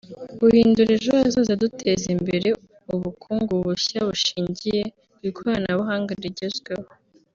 “Guhindura ejo hazaza-Duteza imbere ubukungu bushya bushingiye ku ikoranabuhanga rigezweho